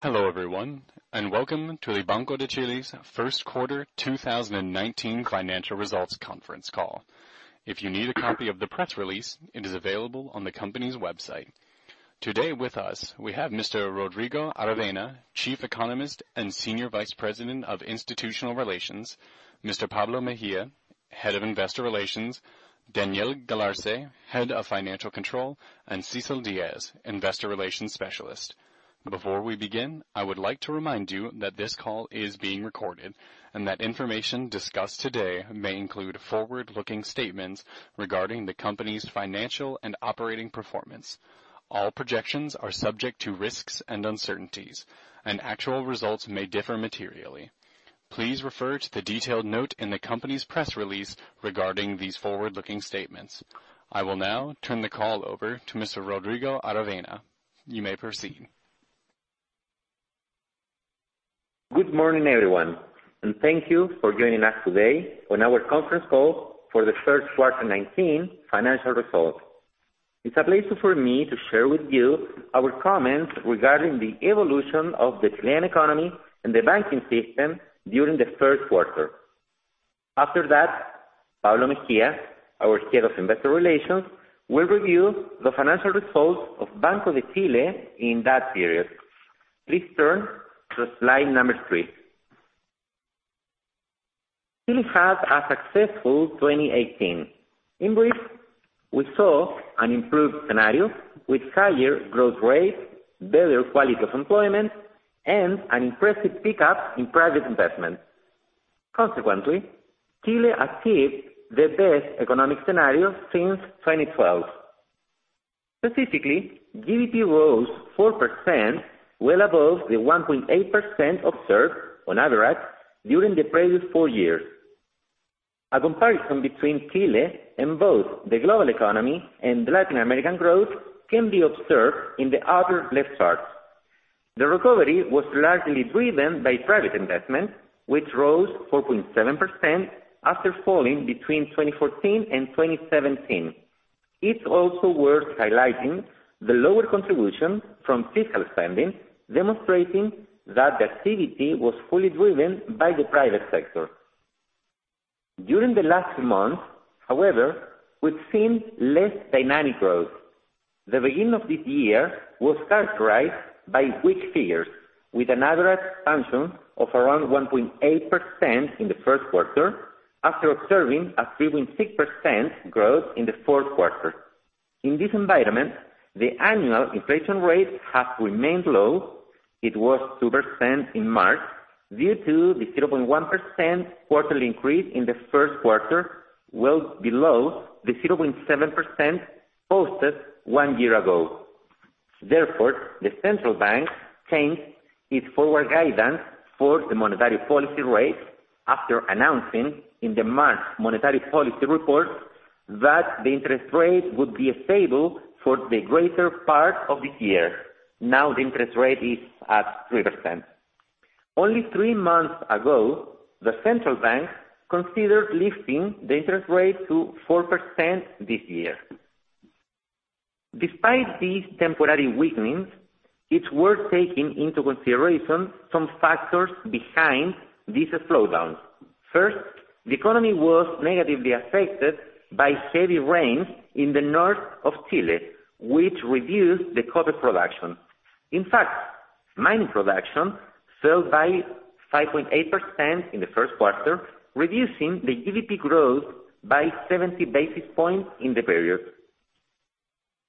Hello, everyone, and welcome to the Banco de Chile's first quarter 2019 financial results conference call. If you need a copy of the press release, it is available on the company's website. Today with us, we have Mr. Rodrigo Aravena, Chief Economist and Senior Vice President of Institutional Relations, Mr. Pablo Mejia, Head of Investor Relations, Daniel Galarce, Head of Financial Control, and Cecil Diaz, Investor Relations Specialist. Before we begin, I would like to remind you that this call is being recorded. That information discussed today may include forward-looking statements regarding the company's financial and operating performance. All projections are subject to risks and uncertainties. Actual results may differ materially. Please refer to the detailed note in the company's press release regarding these forward-looking statements. I will now turn the call over to Mr. Rodrigo Aravena. You may proceed. Good morning, everyone, and thank you for joining us today on our conference call for the first quarter 2019 financial results. It's a pleasure for me to share with you our comments regarding the evolution of the Chilean economy and the banking system during the first quarter. After that, Pablo Mejia, our Head of Investor Relations, will review the financial results of Banco de Chile in that period. Please turn to slide number three. Chile had a successful 2018. In brief, we saw an improved scenario with higher growth rates, better quality of employment, and an impressive pickup in private investment. Consequently, Chile achieved the best economic scenario since 2012. Specifically, GDP rose 4%, well above the 1.8% observed on average during the previous four years. A comparison between Chile and both the global economy and Latin American growth can be observed in the upper left chart. The recovery was largely driven by private investment, which rose 4.7% after falling between 2014 and 2017. It's also worth highlighting the lower contribution from fiscal spending, demonstrating that the activity was fully driven by the private sector. During the last month, however, we've seen less dynamic growth. The beginning of this year was characterized by weak figures, with an average expansion of around 1.8% in the first quarter after observing a 3.6% growth in the fourth quarter. In this environment, the annual inflation rate has remained low. It was 2% in March, due to the 0.1% quarterly increase in the first quarter, well below the 0.7% posted one year ago. Therefore, the Central Bank changed its forward guidance for the monetary policy rate after announcing in the March monetary policy report that the interest rate would be stable for the greater part of this year. Now the interest rate is at 3%. Only three months ago, the Central Bank considered lifting the interest rate to 4% this year. Despite these temporary weaknesses, it's worth taking into consideration some factors behind this slowdown. First, the economy was negatively affected by heavy rains in the north of Chile, which reduced the copper production. In fact, mining production fell by 5.8% in the first quarter, reducing the GDP growth by 70 basis points in the period.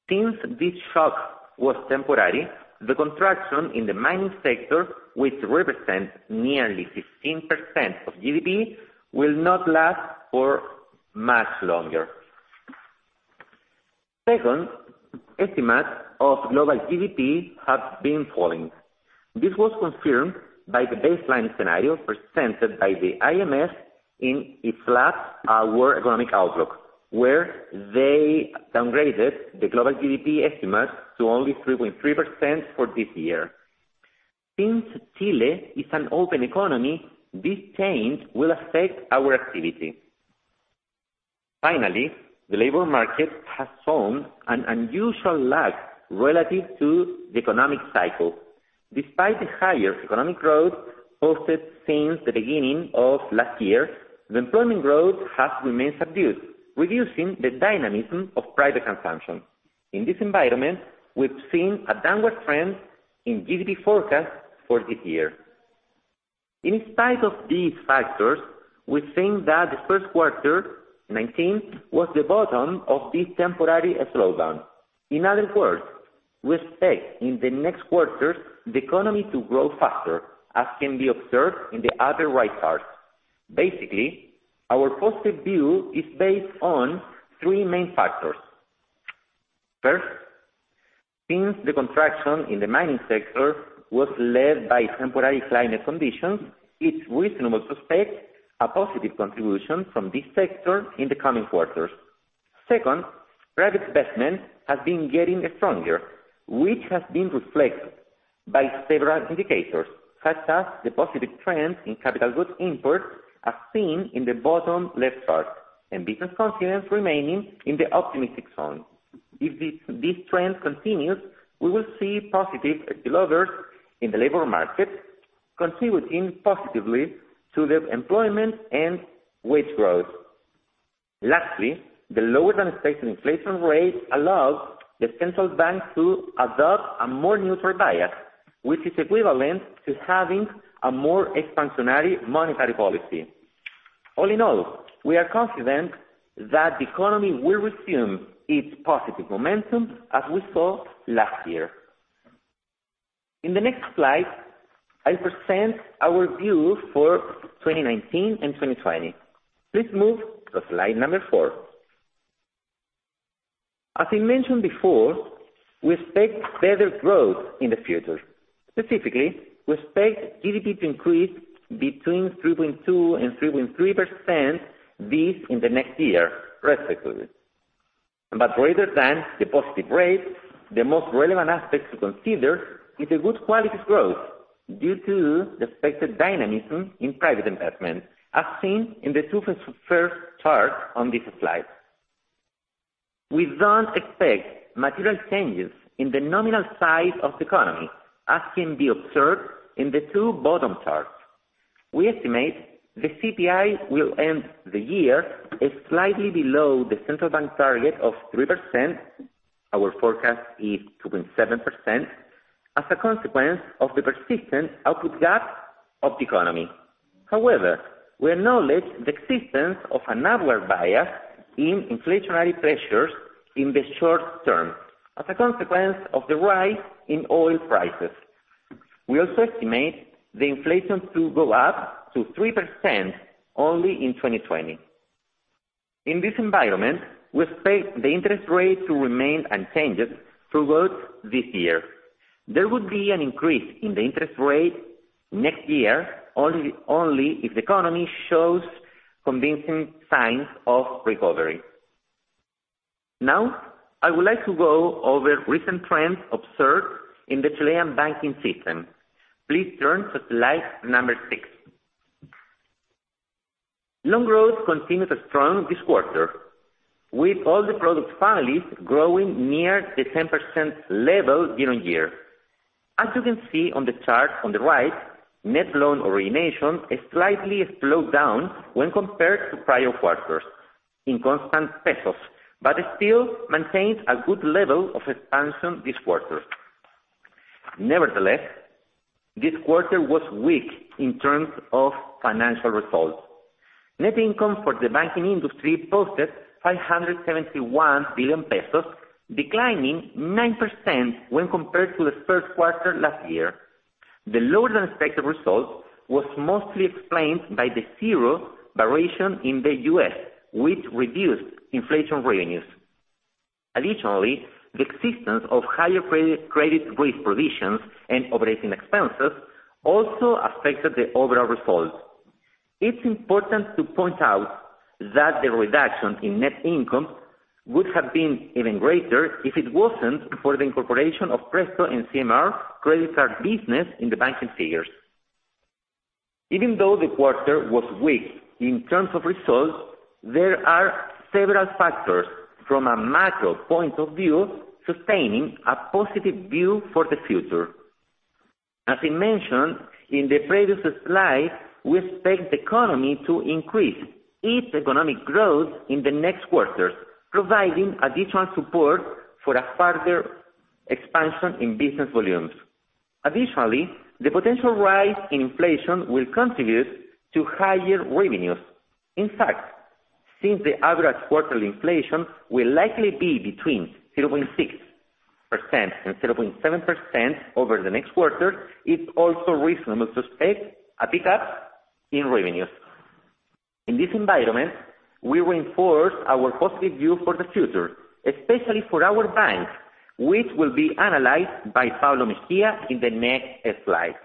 Since this shock was temporary, the contraction in the mining sector, which represents nearly 15% of GDP, will not last for much longer. Second, estimates of global GDP have been falling. This was confirmed by the baseline scenario presented by the IMF in a flat World Economic Outlook, where they downgraded the global GDP estimate to only 3.3% for this year. Since Chile is an open economy, this change will affect our activity. Finally, the labor market has shown an unusual lag relative to the economic cycle. Despite the higher economic growth posted since the beginning of last year, the employment growth has remained subdued, reducing the dynamism of private consumption. In this environment, we've seen a downward trend in GDP forecast for this year. In spite of these factors, we think that the first quarter 2019 was the bottom of this temporary slowdown. In other words, we expect in the next quarters the economy to grow faster, as can be observed in the upper right chart. Basically, our positive view is based on three main factors. First, since the contraction in the mining sector was led by temporary climate conditions, it's reasonable to expect a positive contribution from this sector in the coming quarters. Second, private investment has been getting stronger, which has been reflected by several indicators, such as the positive trend in capital goods imports, as seen in the bottom left chart, and business confidence remaining in the optimistic zone. If this trend continues, we will see positive spillovers in the labor market contributing positively to the employment and wage growth. Lastly, the lower than expected inflation rate allows the Central Bank to adopt a more neutral bias, which is equivalent to having a more expansionary monetary policy. All in all, we are confident that the economy will resume its positive momentum as we saw last year. In the next slide, I present our view for 2019 and 2020. Please move to slide number four. As I mentioned before, we expect better growth in the future. Specifically, we expect GDP to increase between 3.2% and 3.3% this and the next year, respectively. Rather than the positive rate, the most relevant aspect to consider is the good quality growth due to the expected dynamism in private investment, as seen in the two first charts on this slide. We don't expect material changes in the nominal size of the economy, as can be observed in the two bottom charts. We estimate the CPI will end the year as slightly below the Central Bank target of 3%. Our forecast is 2.7%, as a consequence of the persistent output gap of the economy. However, we acknowledge the existence of an upward bias in inflationary pressures in the short-term, as a consequence of the rise in oil prices. We also estimate the inflation to go up to 3% only in 2020. In this environment, we expect the interest rate to remain unchanged throughout this year. There would be an increase in the interest rate next year only if the economy shows convincing signs of recovery. Now, I would like to go over recent trends observed in the Chilean banking system. Please turn to slide number six. Loan growth continued strong this quarter, with all the product families growing near the 10% level year-on-year. As you can see on the chart on the right, net loan origination has slightly slowed down when compared to prior quarters in constant CLP, but still maintains a good level of expansion this quarter. Nevertheless, this quarter was weak in terms of financial results. Net income for the banking industry posted 571 billion pesos, declining 9% when compared to the first quarter last year. The lower than expected result was mostly explained by the zero variation in the U.S., which reduced inflation revenues. Additionally, the existence of higher credit risk provisions and operating expenses also affected the overall results. It's important to point out that the reduction in net income would have been even greater if it wasn't for the incorporation of Presto and CMR credit card business in the banking figures. Even though the quarter was weak in terms of results, there are several factors from a macro point of view sustaining a positive view for the future. As I mentioned in the previous slide, we expect the economy to increase its economic growth in the next quarters, providing additional support for a further expansion in business volumes. Additionally, the potential rise in inflation will contribute to higher revenues. In fact, since the average quarter inflation will likely be between 0.6%-0.7% over the next quarter, it's also reasonable to expect a pickup in revenues. In this environment, we reinforce our positive view for the future, especially for our banks, which will be analyzed by Pablo Mejia in the next slide.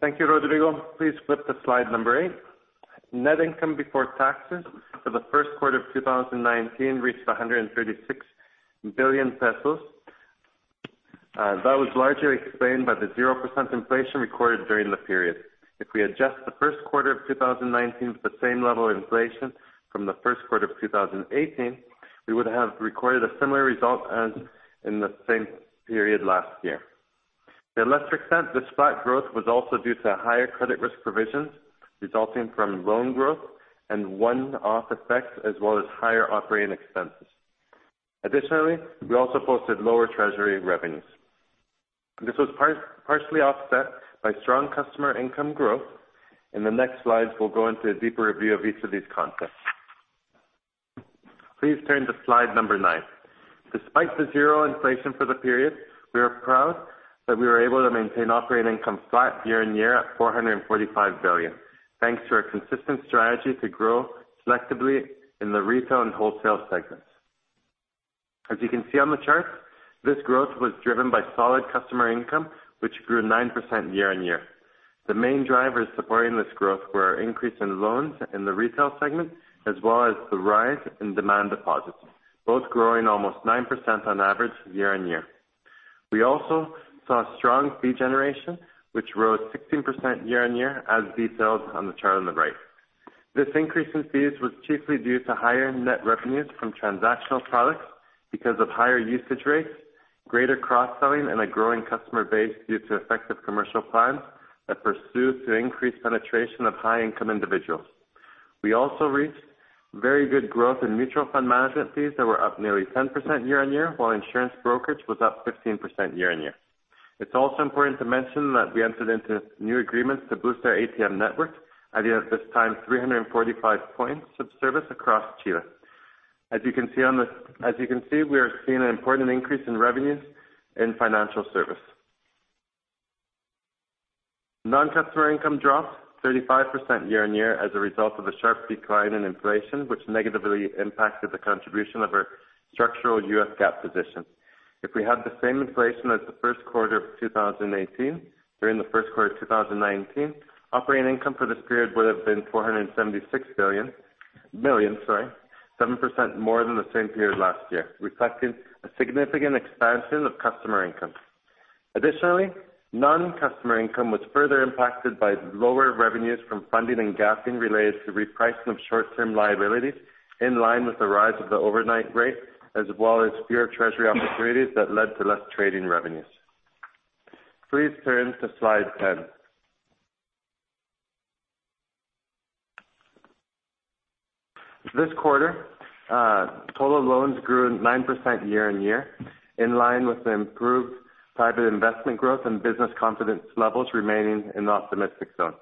Thank you, Rodrigo. Please flip to slide number eight. Net income before taxes for the first quarter of 2019 reached 136 billion pesos. That was largely explained by the 0% inflation recorded during the period. If we adjust the first quarter of 2019 to the same level of inflation from the first quarter of 2018, we would have recorded a similar result as in the same period last year. To a lesser extent, the spot growth was also due to higher credit risk provisions resulting from loan growth and one-off effects, as well as higher operating expenses. Additionally, we also posted lower treasury revenues. This was partially offset by strong customer income growth. In the next slides, we'll go into a deeper review of each of these concepts. Please turn to slide number nine. Despite the 0% inflation for the period, we are proud that we were able to maintain operating income flat year-on-year at 445 billion, thanks to our consistent strategy to grow selectively in the retail and wholesale segments. As you can see on the chart, this growth was driven by solid customer income, which grew 9% year-on-year. The main drivers supporting this growth were our increase in loans in the retail segment, as well as the rise in demand deposits, both growing almost 9% on average year-on-year. We also saw strong fee generation, which rose 16% year-on-year, as detailed on the chart on the right. This increase in fees was chiefly due to higher net revenues from transactional products because of higher usage rates, greater cross-selling, and a growing customer base due to effective commercial plans that pursue to increase penetration of high-income individuals. We also reached very good growth in mutual fund management fees that were up nearly 10% year-on-year, while insurance brokerage was up 15% year-on-year. It's also important to mention that we entered into new agreements to boost our ATM network and we have at this time 345 points of service across Chile. As you can see, we are seeing an important increase in revenues in financial service. Non-customer income dropped 35% year-on-year as a result of a sharp decline in inflation, which negatively impacted the contribution of our structural UF gap position. If we had the same inflation as the first quarter of 2018 during the first quarter of 2019, operating income for this period would have been CLP 476 million, sorry, 7% more than the same period last year, reflecting a significant expansion of customer income. Non-customer income was further impacted by lower revenues from funding and UF gap related to repricing of short-term liabilities in line with the rise of the overnight rate, as well as fewer Treasury opportunities that led to less trading revenues. Please turn to slide 10. This quarter, total loans grew 9% year-on-year, in line with the improved private investment growth and business confidence levels remaining in the optimistic zone.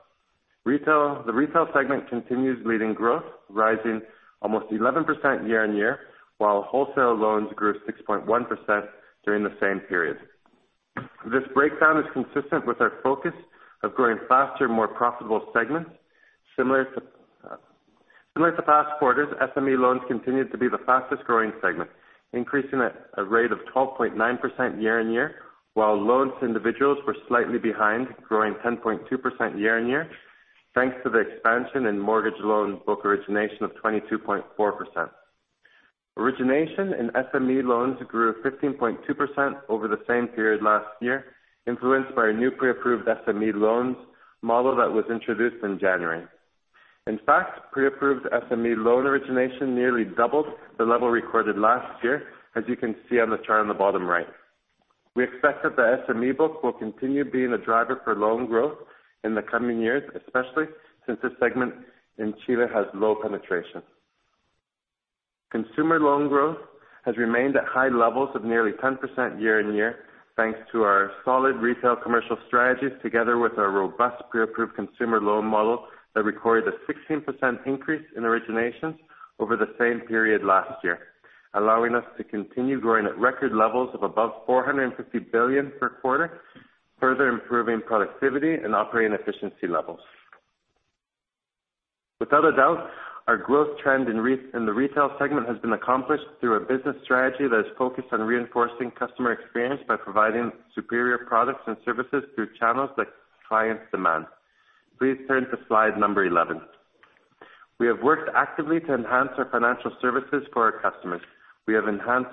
The retail segment continues leading growth, rising almost 11% year-on-year, while wholesale loans grew 6.1% during the same period. This breakdown is consistent with our focus of growing faster, more profitable segments. Similar to past quarters, SME loans continued to be the fastest-growing segment, increasing at a rate of 12.9% year-on-year, while loans to individuals were slightly behind, growing 10.2% year-on-year, thanks to the expansion in mortgage loan book origination of 22.4%. Origination in SME loans grew 15.2% over the same period last year, influenced by our new pre-approved SME loans model that was introduced in January. In fact, pre-approved SME loan origination nearly doubled the level recorded last year, as you can see on the chart on the bottom right. We expect that the SME book will continue being a driver for loan growth in the coming years, especially since this segment in Chile has low penetration. Consumer loan growth has remained at high levels of nearly 10% year-on-year, thanks to our solid retail commercial strategies together with our robust pre-approved consumer loan model that recorded a 16% increase in originations over the same period last year, allowing us to continue growing at record levels of above 450 billion per quarter, further improving productivity and operating efficiency levels. Without a doubt, our growth trend in the retail segment has been accomplished through a business strategy that is focused on reinforcing customer experience by providing superior products and services through channels that clients demand. Please turn to slide number 11. We have worked actively to enhance our financial services for our customers. We have enhanced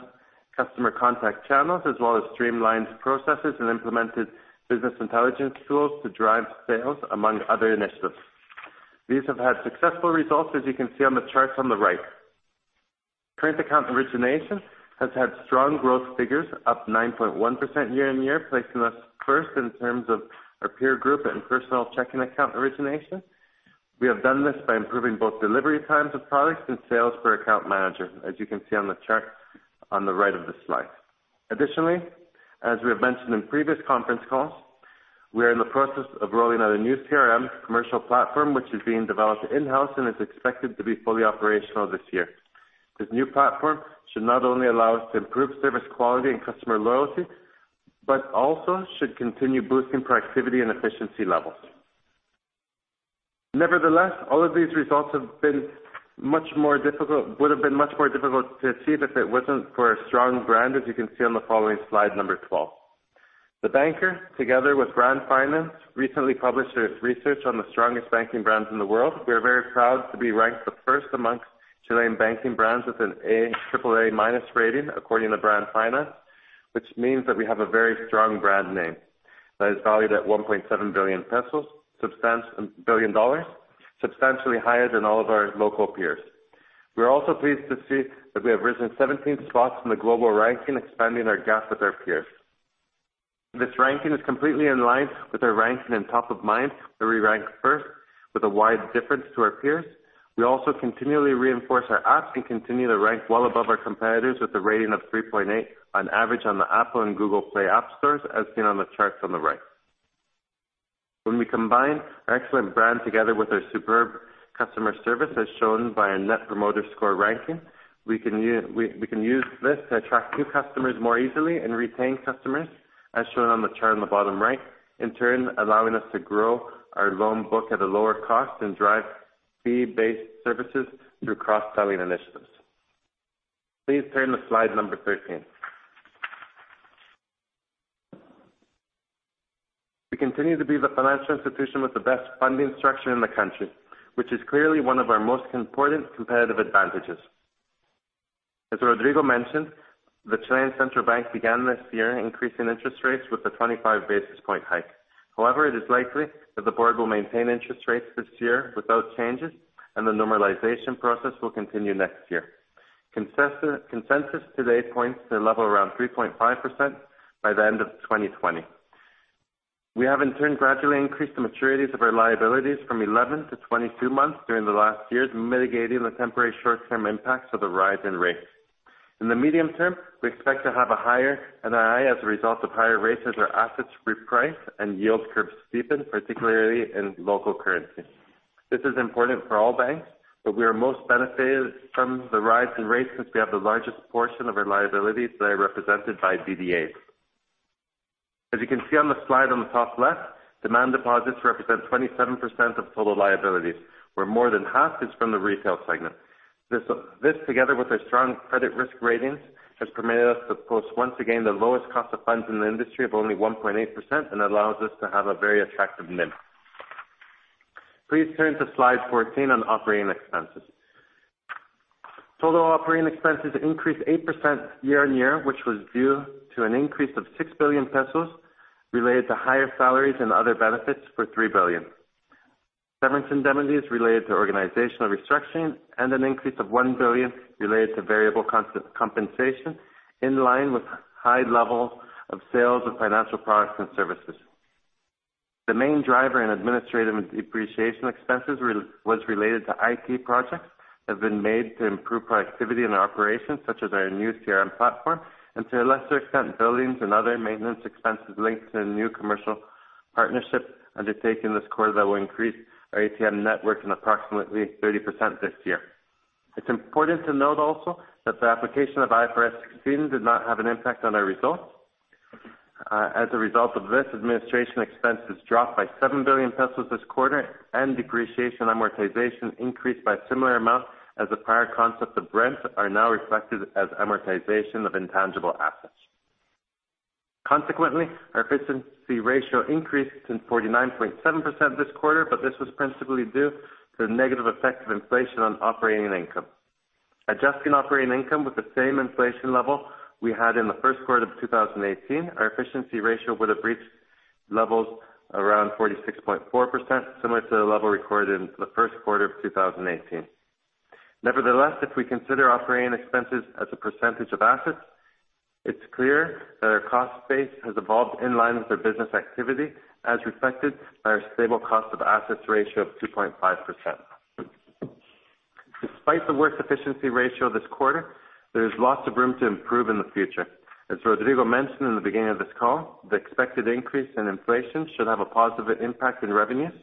customer contact channels as well as streamlined processes and implemented business intelligence tools to drive sales, among other initiatives. These have had successful results, as you can see on the charts on the right. Current account origination has had strong growth figures, up 9.1% year-on-year, placing us first in terms of our peer group and personal checking account origination. We have done this by improving both delivery times of products and sales per account manager, as you can see on the chart on the right of the slide. Additionally, as we have mentioned in previous conference calls, we are in the process of rolling out a new CRM commercial platform, which is being developed in-house and is expected to be fully operational this year. This new platform should not only allow us to improve service quality and customer loyalty, but also should continue boosting productivity and efficiency levels. Nevertheless, all of these results would have been much more difficult to achieve if it wasn't for a strong brand, as you can see on the following slide number 12. The Banker, together with Brand Finance, recently published its research on the strongest banking brands in the world. We are very proud to be ranked the first amongst Chilean banking brands with an AAA minus rating, according to Brand Finance, which means that we have a very strong brand name that is valued at $1.7 billion, substantially higher than all of our local peers. We are also pleased to see that we have risen 17 spots in the global ranking, expanding our gap with our peers. This ranking is completely in line with our ranking in top of mind, where we rank first with a wide difference to our peers. We also continually reinforce our app and continue to rank well above our competitors with a rating of 3.8 on average on the Apple and Google Play app stores, as seen on the charts on the right. When we combine our excellent brand together with our superb customer service, as shown by our Net Promoter Score ranking, we can use this to attract new customers more easily and retain customers, as shown on the chart on the bottom right, in turn allowing us to grow our loan book at a lower cost and drive fee-based services through cross-selling initiatives. Please turn to slide number 13. We continue to be the financial institution with the best funding structure in the country, which is clearly one of our most important competitive advantages. As Rodrigo mentioned, the Central Bank of Chile began this year increasing interest rates with a 25 basis point hike. However, it is likely that the board will maintain interest rates this year without changes, and the normalization process will continue next year. Consensus today points to a level around 3.5% by the end of 2020. We have in turn gradually increased the maturities of our liabilities from 11 to 22 months during the last years, mitigating the temporary short-term impacts of the rise in rates. In the medium term, we expect to have a higher NII as a result of higher rates as our assets reprice and yield curves steepen, particularly in local currency. This is important for all banks, but we are most benefited from the rise in rates since we have the largest portion of our liabilities that are represented by DDAs. As you can see on the slide on the top left, demand deposits represent 27% of total liabilities, where more than half is from the retail segment. This, together with our strong credit risk ratings, has permitted us to post once again the lowest cost of funds in the industry of only 1.8%, and allows us to have a very attractive NIM. Please turn to slide 14 on operating expenses. Total operating expenses increased 8% year-on-year, which was due to an increase of 6 billion pesos related to higher salaries and other benefits for 3 billion. Severance indemnities related to organizational restructuring and an increase of 1 billion related to variable compensation, in line with high levels of sales of financial products and services. The main driver in administrative and depreciation expenses was related to IT projects that have been made to improve productivity in our operations, such as our new CRM platform, and to a lesser extent, buildings and other maintenance expenses linked to the new commercial partnership undertaken this quarter that will increase our ATM network in approximately 30% this year. It's important to note also that the application of IFRS 16 did not have an impact on our results. As a result of this, administration expenses dropped by 7 billion pesos this quarter and depreciation amortization increased by a similar amount as the prior concept of rent are now reflected as amortization of intangible assets. Consequently, our efficiency ratio increased to 49.7% this quarter, this was principally due to the negative effect of inflation on operating income. Adjusting operating income with the same inflation level we had in the first quarter of 2018, our efficiency ratio would have reached levels around 46.4%, similar to the level recorded in the first quarter of 2018. Nevertheless, if we consider operating expenses as a percentage of assets, it's clear that our cost base has evolved in line with our business activity, as reflected by our stable cost of assets ratio of 2.5%. Despite the worst efficiency ratio this quarter, there is lots of room to improve in the future. As Rodrigo mentioned in the beginning of this call, the expected increase in inflation should have a positive impact on revenues.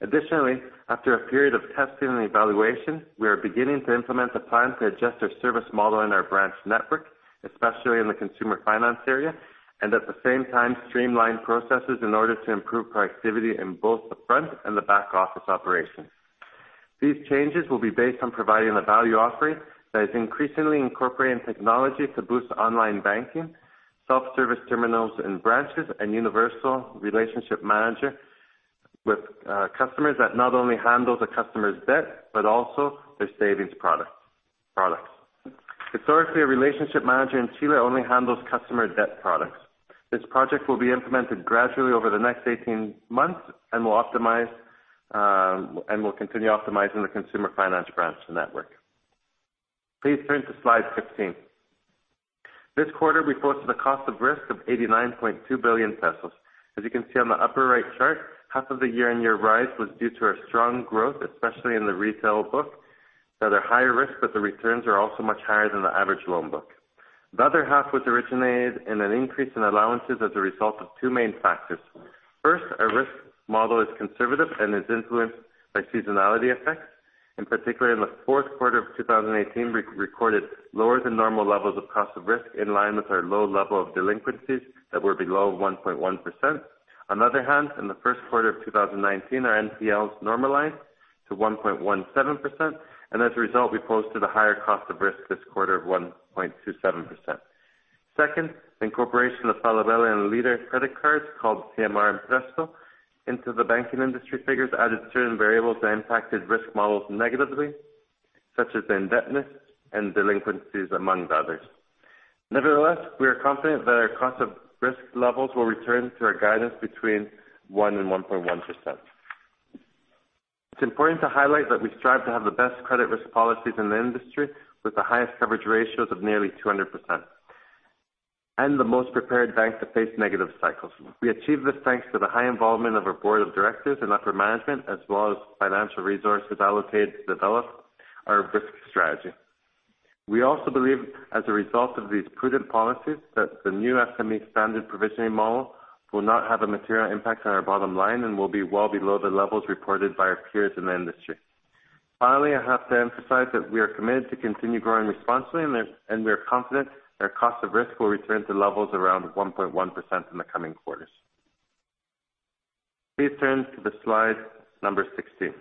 Additionally, after a period of testing and evaluation, we are beginning to implement the plan to adjust our service model in our branch network, especially in the consumer finance area, and at the same time, streamline processes in order to improve productivity in both the front and the back office operations. These changes will be based on providing a value offering that is increasingly incorporating technology to boost online banking, self-service terminals in branches, and universal relationship manager with customers that not only handle the customer's debt but also their savings products. Historically, a relationship manager in Chile only handles customer debt products. This project will be implemented gradually over the next 18 months and will continue optimizing the consumer finance branch network. Please turn to slide 15. This quarter, we posted a cost of risk of 89.2 billion pesos. As you can see on the upper right chart, half of the year-on-year rise was due to our strong growth, especially in the retail book, that are higher risk, but the returns are also much higher than the average loan book. The other half was originated in an increase in allowances as a result of two main factors. First, our risk model is conservative and is influenced by seasonality effects. In particular, in the fourth quarter of 2018, we recorded lower than normal levels of cost of risk in line with our low level of delinquencies that were below 1.1%. On the other hand, in the first quarter of 2019, our NPLs normalized to 1.17%, and as a result, we posted a higher cost of risk this quarter of 1.27%. Second, incorporation of Falabella and Líder credit cards called CMR Presto into the banking industry figures added certain variables that impacted risk models negatively, such as indebtedness and delinquencies, among others. Nevertheless, we are confident that our cost of risk levels will return to our guidance between 1% and 1.1%. It's important to highlight that we strive to have the best credit risk policies in the industry with the highest coverage ratios of nearly 200%, and the most prepared bank to face negative cycles. We achieved this thanks to the high involvement of our board of directors and upper management, as well as financial resources allocated to develop our risk strategy. We also believe, as a result of these prudent policies, that the new SME standard provisioning model will not have a material impact on our bottom line and will be well below the levels reported by our peers in the industry. Finally, I have to emphasize that we are committed to continue growing responsibly, and we are confident that our cost of risk will return to levels around 1.1% in the coming quarters. Please turn to the slide number 16.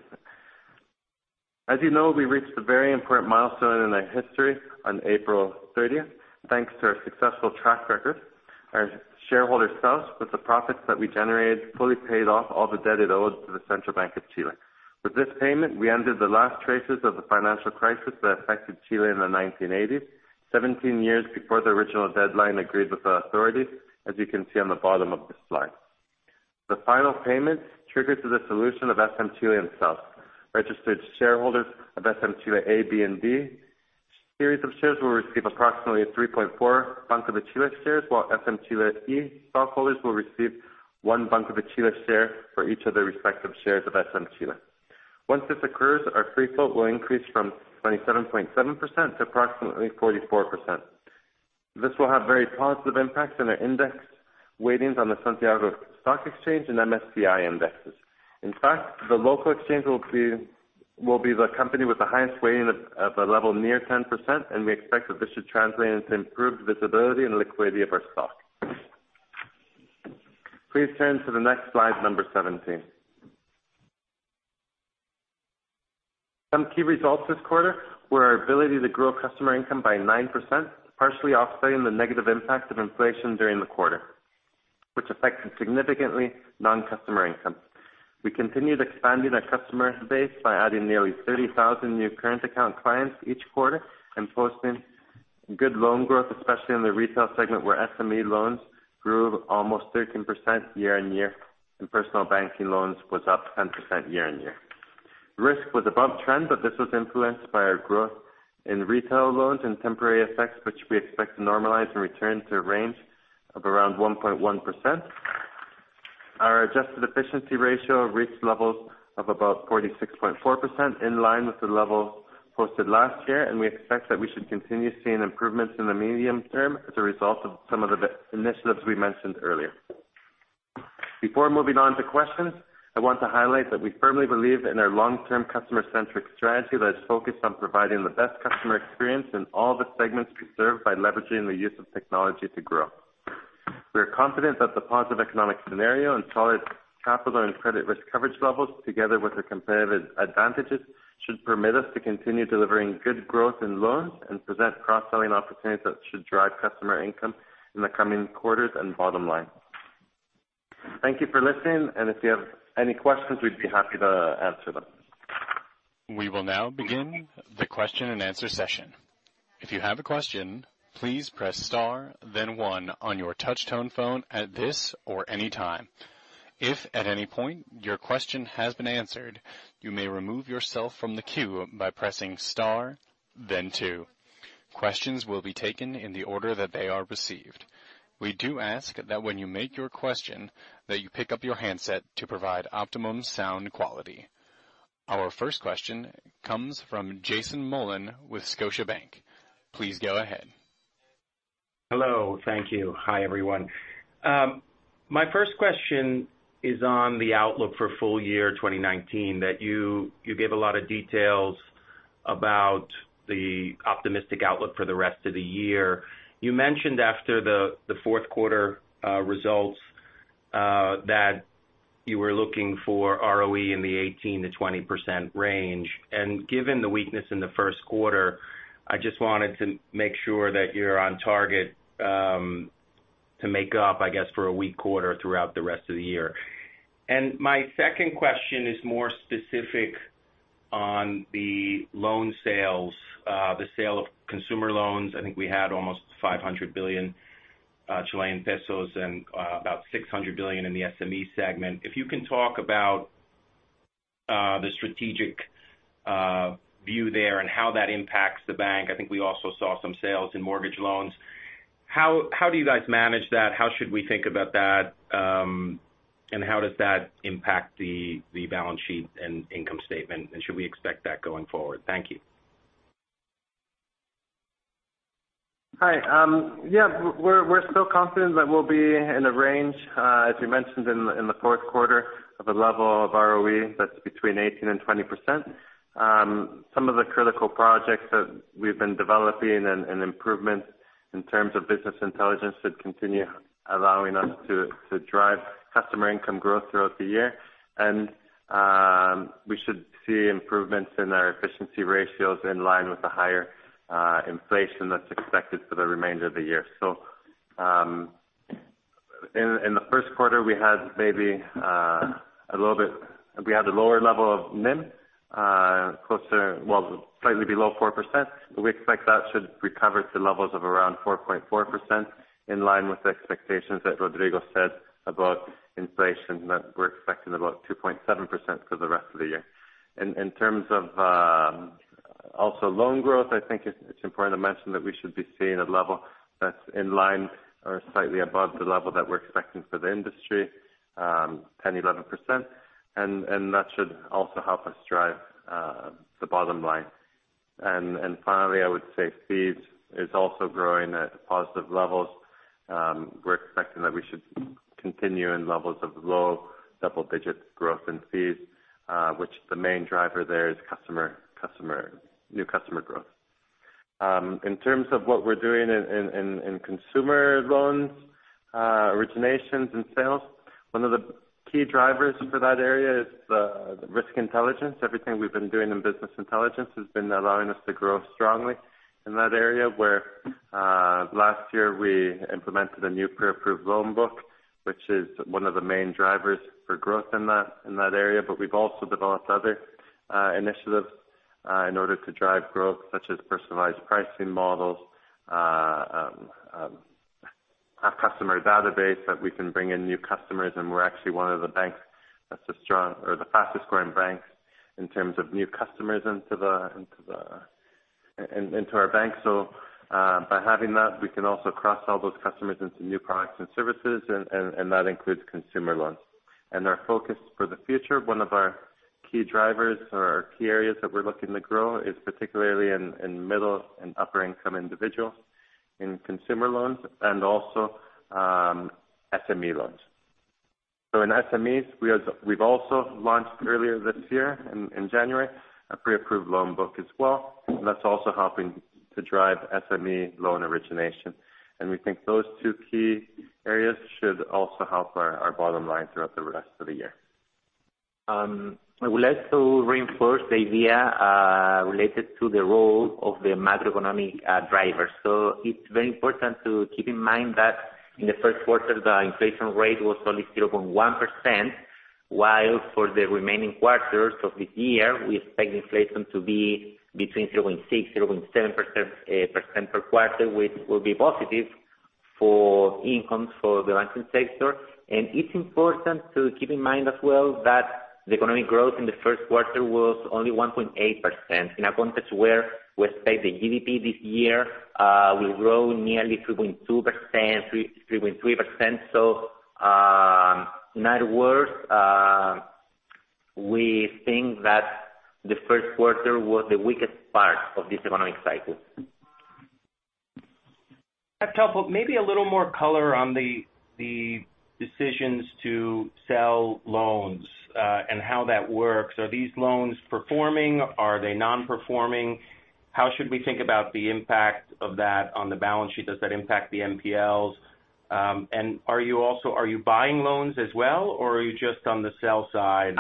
As you know, we reached a very important milestone in our history on April 30th. Thanks to our successful track record, our shareholder cells, with the profits that we generated, fully paid off all the debt it owed to the Central Bank of Chile. With this payment, we ended the last traces of the financial crisis that affected Chile in the 1980s, 17 years before the original deadline agreed with our authorities, as you can see on the bottom of this slide. The final payment triggers the solution of SM-Chile itself. Registered shareholders of SM-Chile A, B, and D series of shares will receive approximately 3.4 Banco de Chile shares, while SM-Chile E stockholders will receive one Banco de Chile share for each of their respective shares of SM-Chile. Once this occurs, our free float will increase from 27.7% to approximately 44%. This will have very positive impacts on our index weightings on the Santiago Stock Exchange and MSCI indexes. The local exchange will be the company with the highest weighting at the level near 10%, and we expect that this should translate into improved visibility and liquidity of our stock. Please turn to the next slide, number 17. Some key results this quarter were our ability to grow customer income by 9%, partially offsetting the negative impact of inflation during the quarter, which affected significantly non-customer income. We continued expanding our customer base by adding nearly 30,000 new current account clients each quarter and posting good loan growth, especially in the retail segment, where SME loans grew almost 13% year-on-year, and personal banking loans was up 10% year-on-year. Risk was above trend, but this was influenced by our growth in retail loans and temporary effects, which we expect to normalize and return to a range of around 1.1%. Our adjusted efficiency ratio reached levels of about 46.4%, in line with the level posted last year. We expect that we should continue seeing improvements in the medium term as a result of some of the initiatives we mentioned earlier. Before moving on to questions, I want to highlight that we firmly believe in our long-term customer-centric strategy that is focused on providing the best customer experience in all the segments we serve by leveraging the use of technology to grow. We are confident that the positive economic scenario and solid capital and credit risk coverage levels, together with our competitive advantages, should permit us to continue delivering good growth in loans and present cross-selling opportunities that should drive customer income in the coming quarters and bottom line. Thank you for listening. If you have any questions, we'd be happy to answer them. We will now begin the question and answer session. If you have a question, please press star then one on your touch tone phone at this or any time. If at any point your question has been answered, you may remove yourself from the queue by pressing star then two. Questions will be taken in the order that they are received. We do ask that when you make your question, that you pick up your handset to provide optimum sound quality. Our first question comes from Jason Mollin with Scotiabank. Please go ahead. Hello. Thank you. Hi, everyone. My first question is on the outlook for full year 2019, that you gave a lot of details about the optimistic outlook for the rest of the year. You mentioned after the fourth quarter results, that you were looking for ROE in the 18%-20% range. Given the weakness in the first quarter, I just wanted to make sure that you're on target, to make up, I guess, for a weak quarter throughout the rest of the year. My second question is more specific on the loan sales, the sale of consumer loans. I think we had almost 500 billion Chilean pesos and about 600 billion in the SME segment. If you can talk about the strategic view there and how that impacts the bank. I think we also saw some sales in mortgage loans. How do you guys manage that? How should we think about that? How does that impact the balance sheet and income statement? Should we expect that going forward? Thank you. Hi. Yeah, we're still confident that we'll be in a range, as we mentioned in the fourth quarter, of a level of ROE that's between 18%-20%. Some of the critical projects that we've been developing and improvements in terms of business intelligence should continue allowing us to drive customer income growth throughout the year. We should see improvements in our efficiency ratios in line with the higher inflation that's expected for the remainder of the year. In the first quarter, we had a lower level of NIM, slightly below 4%, but we expect that should recover to levels of around 4.4%, in line with the expectations that Rodrigo said about inflation, that we're expecting about 2.7% for the rest of the year. In terms of also loan growth, I think it's important to mention that we should be seeing a level that's in line or slightly above the level that we're expecting for the industry, 10%-11%, and that should also help us drive the bottom line. Finally, I would say fees is also growing at positive levels. We're expecting that we should continue in levels of low double-digit growth in fees, which the main driver there is new customer growth. In terms of what we're doing in consumer loans, originations, and sales, one of the key drivers for that area is risk intelligence. Everything we've been doing in business intelligence has been allowing us to grow strongly in that area, where last year we implemented a new pre-approved loan book, which is one of the main drivers for growth in that area. We've also developed other initiatives in order to drive growth, such as personalized pricing models, a customer database that we can bring in new customers, and we're actually one of the fastest growing banks in terms of new customers into our bank. By having that, we can also cross all those customers into new products and services, and that includes consumer loans. Our focus for the future, one of our key drivers or our key areas that we're looking to grow is particularly in middle and upper-income individuals in consumer loans and also SME loans. In SMEs, we've also launched earlier this year, in January, a pre-approved loan book as well, that's also helping to drive SME loan origination. We think those two key areas should also help our bottom line throughout the rest of the year. I would like to reinforce the idea related to the role of the macroeconomic drivers. It's very important to keep in mind that in the first quarter, the inflation rate was only 0.1%, while for the remaining quarters of this year, we expect inflation to be between 0.6%, 0.7% per quarter, which will be positive for incomes for the banking sector. It's important to keep in mind as well that the economic growth in the first quarter was only 1.8%, in a context where we expect the GDP this year will grow nearly 3.2%, 3.3%. In other words, we think that the first quarter was the weakest part of this economic cycle. That's helpful. Maybe a little more color on the decisions to sell loans, and how that works. Are these loans performing? Are they non-performing? How should we think about the impact of that on the balance sheet? Does that impact the NPLs? Are you buying loans as well, or are you just on the sell side?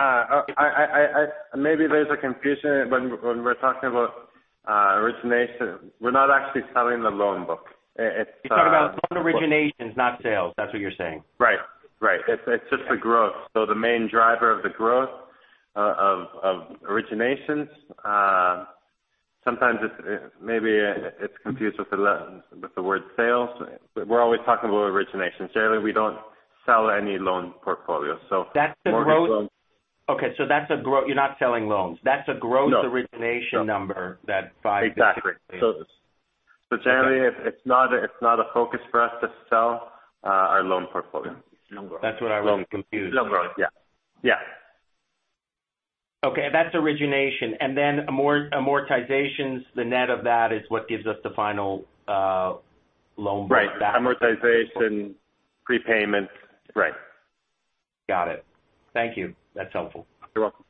Maybe there's a confusion when we're talking about origination. We're not actually selling the loan book. You're talking about loan originations, not sales. That's what you're saying. Right. It's just the growth. The main driver of the growth of originations, sometimes maybe it's confused with the word sales. We're always talking about originations. Generally, we don't sell any loan portfolios. Okay. You're not selling loans. That's a growth- No. -origination number that by- Exactly. Generally, it's not a focus for us to sell our loan portfolio. That's what I was confused. Loan growth. Yeah. Okay. That's origination. Amortizations, the net of that is what gives us the final loan book. Right. Amortization, prepayment. Right. Got it. Thank you. That's helpful. You're welcome.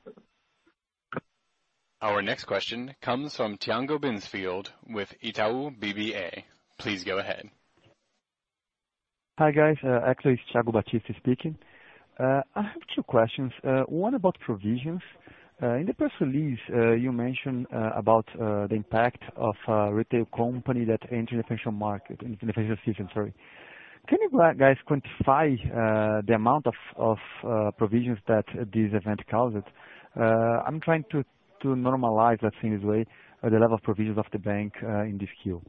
Our next question comes from Thiago Batista with Itaú BBA. Please go ahead. Hi, guys. Actually, it's Thiago Batista speaking. I have two questions, one about provisions. In the press release, you mentioned about the impact of a retail company that entered the financial market, in the financial system, sorry. Can you guys quantify the amount of provisions that this event causes? I'm trying to normalize, let's say, in this queue, the level of provisions of the bank in this queue.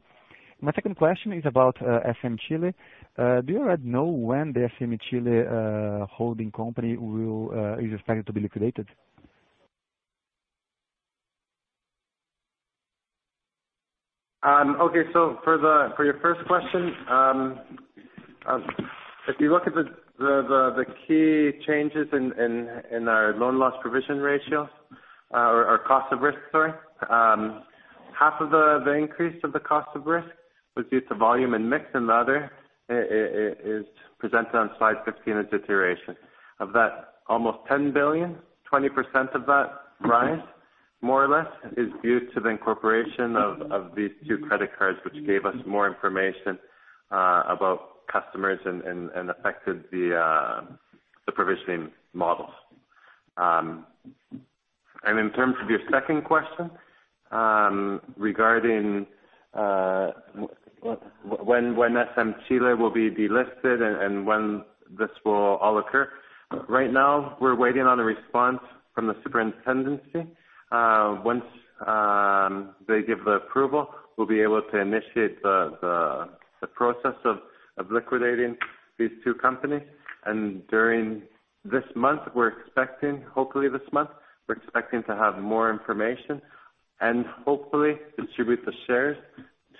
My second question is about SM-Chile. Do you already know when the SM-Chile holding company is expected to be liquidated? Okay. For your first question, if you look at the key changes in our loan loss provision ratio, or our cost of risk, sorry, half of the increase of the cost of risk was due to volume and mix, and the other is presented on slide 15 as iteration. Of that almost 10 billion, 20% of that rise, more or less, is due to the incorporation of these two credit cards, which gave us more information about customers and affected the provisioning models. In terms of your second question, regarding when SM-Chile will be delisted and when this will all occur. Right now, we're waiting on a response from the superintendency. Once they give the approval, we'll be able to initiate the process of liquidating these two companies. During this month, we're expecting, hopefully this month, we're expecting to have more information and hopefully distribute the shares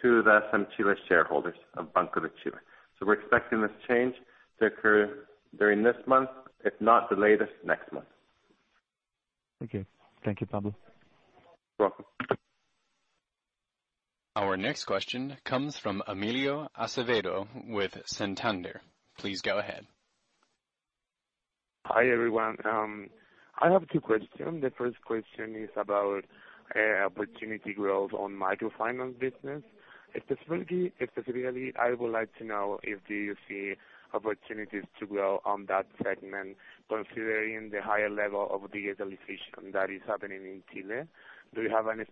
to the SM Chile shareholders of Banco de Chile. We're expecting this change to occur during this month. If not, the latest next month. Okay. Thank you, Pablo. You're welcome. Our next question comes from Emilio Acevedo with Santander. Please go ahead. Hi everyone. I have two questions. The first question is about opportunity growth on microfinance business. Specifically, I would like to know if you see opportunities to grow on that segment, considering the higher level of digitalization that is happening in Chile. Do you have any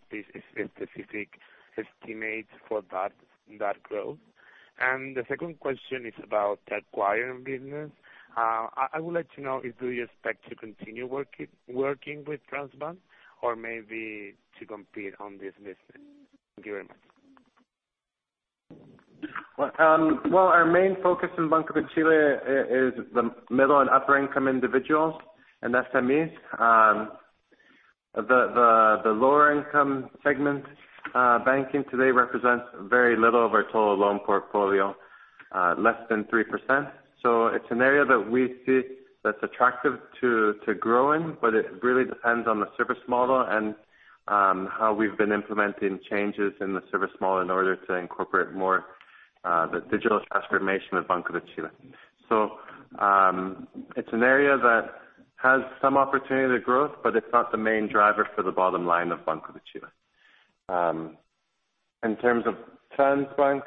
specific estimates for that growth? The second question is about acquiring business. I would like to know if do you expect to continue working with Transbank or maybe to compete on this business? Thank you very much. Well, our main focus in Banco de Chile is the middle and upper-income individuals and SMEs. The lower income segment banking today represents very little of our total loan portfolio, less than 3%. It's an area that we see that's attractive to grow in, but it really depends on the service model and how we've been implementing changes in the service model in order to incorporate more the digital transformation of Banco de Chile. It's an area that has some opportunity to growth, but it's not the main driver for the bottom line of Banco de Chile. In terms of Transbank,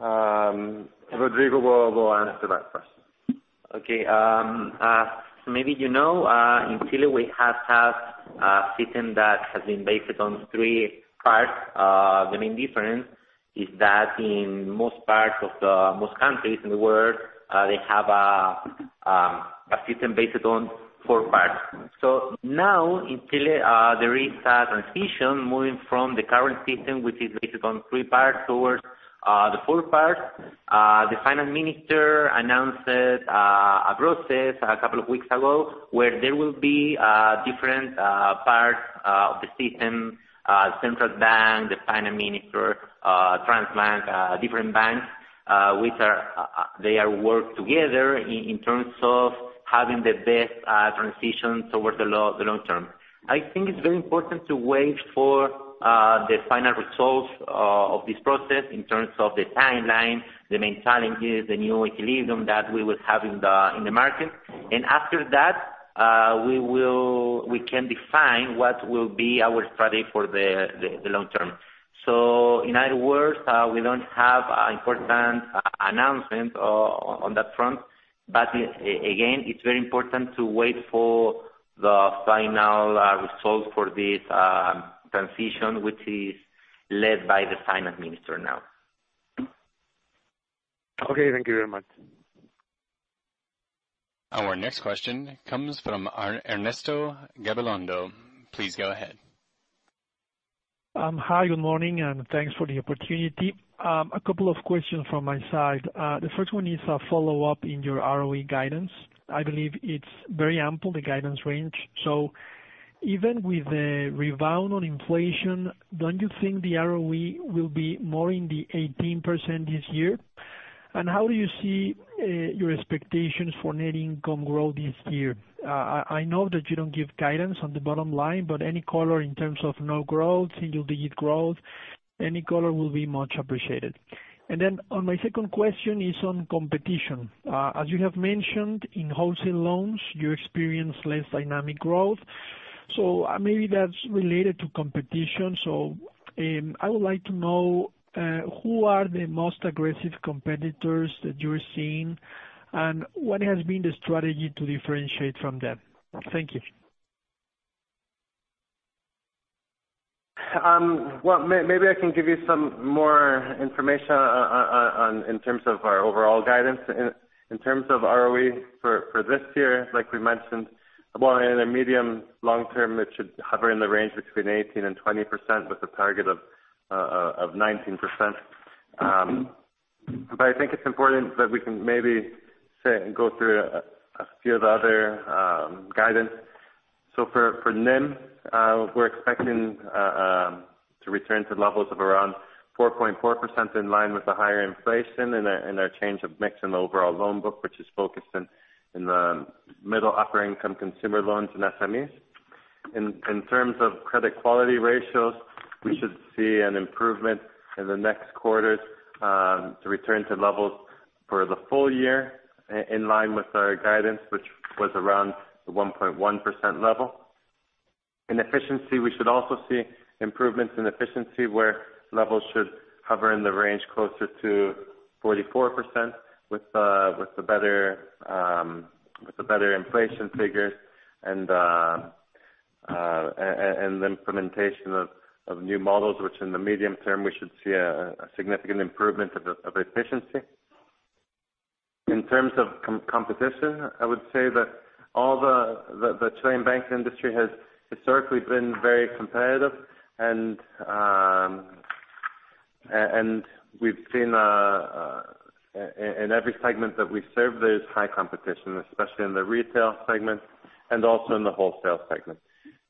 Rodrigo will answer that question. Okay. Maybe you know, in Chile, we have had a system that has been based on three parts. The main difference is that in most countries in the world, they have a system based on four parts. Now in Chile, there is a transition moving from the current system, which is based on three parts, towards the four parts. The finance minister announced a process a couple of weeks ago where there will be different parts of the system, Central Bank of Chile, the finance minister, Transbank, different banks which they work together in terms of having the best transition towards the long term. I think it's very important to wait for the final results of this process in terms of the timeline, the main challenges, the new equilibrium that we will have in the market. After that, we can define what will be our strategy for the long term. In other words, we don't have important announcements on that front. Again, it's very important to wait for the final results for this transition, which is led by the finance minister now. Okay. Thank you very much. Our next question comes from Ernesto Gabilondo. Please go ahead. Hi, good morning, and thanks for the opportunity. A couple of questions from my side. The first one is a follow-up in your ROE guidance. I believe it's very ample, the guidance range. Even with the rebound on inflation, don't you think the ROE will be more in the 18% this year? How do you see your expectations for net income growth this year? I know that you don't give guidance on the bottom line, any color in terms of no growth, single digit growth, any color will be much appreciated. On my second question is on competition. As you have mentioned in wholesale loans, you experience less dynamic growth. Maybe that's related to competition. I would like to know who are the most aggressive competitors that you are seeing, and what has been the strategy to differentiate from them? Thank you. Well, maybe I can give you some more information in terms of our overall guidance. In terms of ROE for this year, like we mentioned, well, in the medium long term, it should hover in the range between 18%-20% with a target of 19%. I think it's important that we can maybe go through a few of the other guidance. For NIM, we're expecting to return to levels of around 4.4% in line with the higher inflation and our change of mix in the overall loan book, which is focused in the middle upper income consumer loans and SMEs. In terms of credit quality ratios, we should see an improvement in the next quarters to return to levels for the full year in line with our guidance, which was around the 1.1% level. In efficiency, we should also see improvements in efficiency where levels should hover in the range closer to 44% with the better inflation figures and the implementation of new models, which in the medium term, we should see a significant improvement of efficiency. In terms of competition, I would say that the Chilean bank industry has historically been very competitive, and we've seen in every segment that we serve, there is high competition, especially in the retail segment and also in the wholesale segment.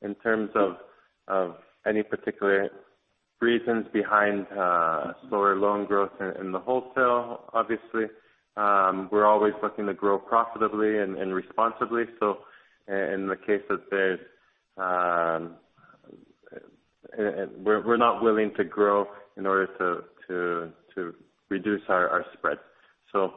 In terms of any particular reasons behind slower loan growth in the wholesale, obviously, we're always looking to grow profitably and responsibly. In the case that we're not willing to grow in order to reduce our spread.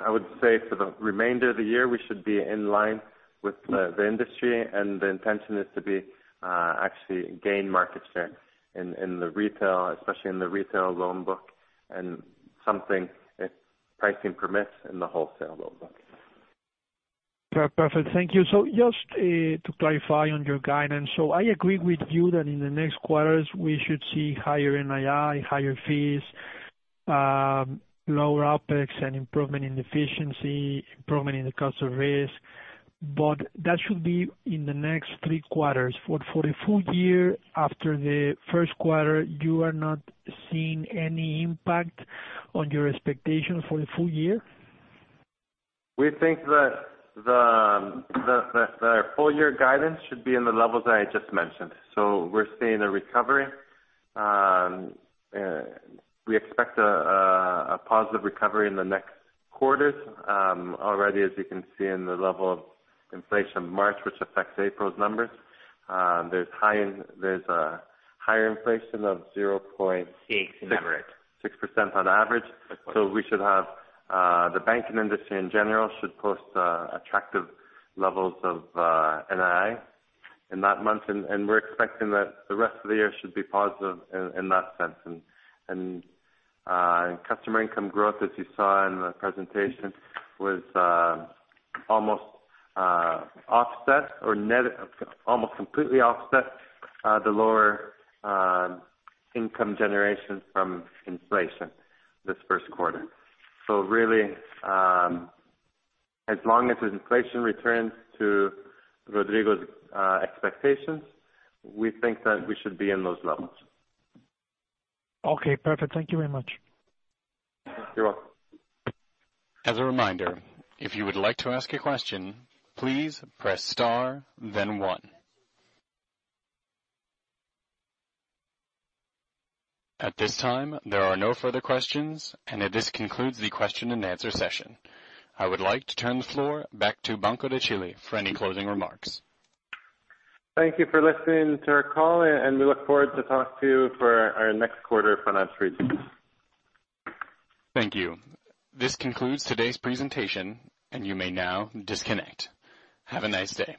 I would say for the remainder of the year, we should be in line with the industry, and the intention is to actually gain market share, especially in the retail loan book, and something, if pricing permits, in the wholesale loan book. Perfect. Thank you. Just to clarify on your guidance. I agree with you that in the next quarters, we should see higher NII, higher fees, lower OPEX and improvement in efficiency, improvement in the cost of risk. That should be in the next three quarters. For the full year, after the first quarter, you are not seeing any impact on your expectation for the full year? We think that the full year guidance should be in the levels that I just mentioned. We're seeing a recovery. We expect a positive recovery in the next quarters. Already, as you can see in the level of inflation March, which affects April's numbers, there's a higher inflation of zero point- Six, on average 6% on average. We should have the banking industry in general should post attractive levels of NII in that month. We're expecting that the rest of the year should be positive in that sense. Customer income growth, as you saw in the presentation, was almost completely offset the lower income generation from inflation this first quarter. As long as the inflation returns to Rodrigo's expectations, we think that we should be in those levels. Okay, perfect. Thank you very much. You're welcome. As a reminder, if you would like to ask a question, please press star then one. At this time, there are no further questions, and this concludes the question and answer session. I would like to turn the floor back to Banco de Chile for any closing remarks. Thank you for listening to our call, and we look forward to talk to you for our next quarter financial review. Thank you. This concludes today's presentation, and you may now disconnect. Have a nice day.